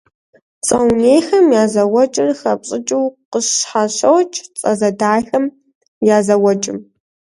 Цӏэ унейхэм я зэуэкӏыр хэпщӏыкӏыу къыщхьэщокӏ цӏэ зэдайхэм я зэуэкӏым.